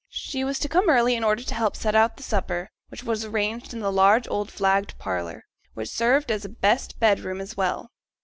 She was to come early in order to help to set out the supper, which was arranged in the large old flagged parlour, which served as best bed room as well.